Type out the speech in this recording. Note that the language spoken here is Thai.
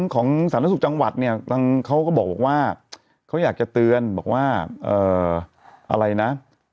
สาธารณสุขจังหวัดเนี่ยเขาก็บอกว่าเขาอยากจะเตือนบอกว่าอะไรนะ